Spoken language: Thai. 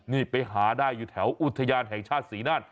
นี่ไปหาได้อยู่แถวอุทยานแห่งชาติศรีนั่น